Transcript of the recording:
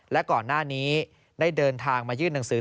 และก่อนหน้านี้ได้เดินทางมายื่นหนังสือ